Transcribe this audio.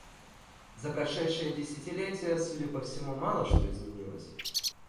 За прошедшее десятилетие, судя по всему, мало что изменилось.